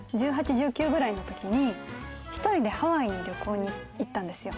１８、１９くらいの時に１人でハワイに旅行に行ったんですよ。